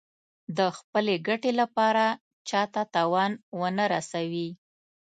د خپلې ګټې لپاره چا ته تاوان ونه رسوي.